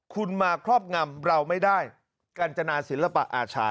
คุณมาครอบงำเราไม่ได้กัญจนาศิลปะอาชา